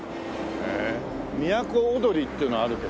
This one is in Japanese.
「都をどり」っていうのはあるけどね。